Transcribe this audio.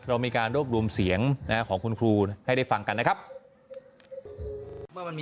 เรามีการรวบรวมเสียงของคุณครูให้ได้ฟังกันนะครับ